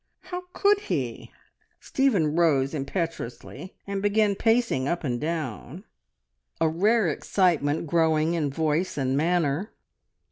How could he?" Stephen rose impetuously, and began pacing up and down, a rare excitement growing in voice and manner.